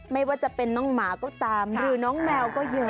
ไม่ว่าจะเป็นน้องหมาก็ตามหรือน้องแมวก็เยอะ